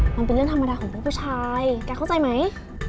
มันเป็นเรื่องธรรมดาของผู้ชายแกเข้าใจไหม